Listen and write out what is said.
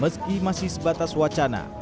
meski masih sebatas wacana